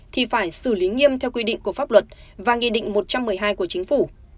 thì phải xử lý nghiêm theo quy định của pháp luật và nghị định một trăm một mươi hai của chính phủ